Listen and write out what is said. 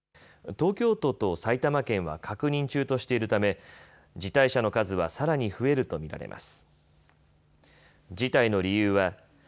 東京都と埼玉県は確認中としているため辞退者の数はさらに増えると見られます。